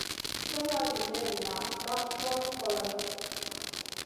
Slèh ma zi léhdéna plak goy koloy.